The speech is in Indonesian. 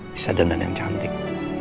bisa dandan yang cantik